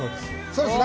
そうですね。